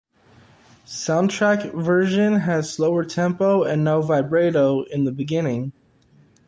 Soundtrack version has slower tempo and no vibrato in the beginning.